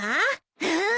うん！